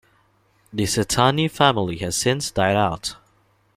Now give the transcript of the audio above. The Caetani family has since died out.